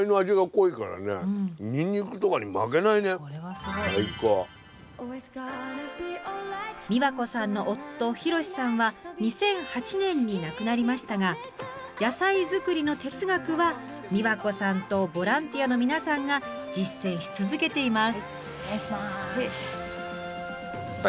スタジオ美和子さんの夫博四さんは２００８年に亡くなりましたが野菜作りの哲学は美和子さんとボランティアの皆さんが実践し続けています。